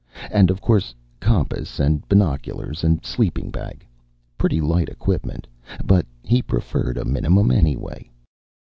And, of course, compass and binoculars and sleeping bag. Pretty light equipment, but he preferred a minimum anyway.